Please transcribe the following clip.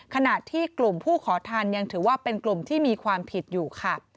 ขณะที่กลุ่มผู้ขอทานยังถือว่าเป็นกลุ่มที่มีความผิดอยู่ค่ะ